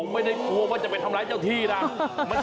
ไม่ได้กลัวว่าจะไปทำร้ายเจ้าที่นะ